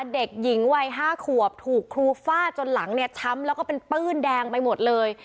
เด็กหญิงวัย๕ขวบถูกครูฟาดจนหลังเนี่ยช้ำแล้วก็เป็นปื้นแดงไปหมดเลย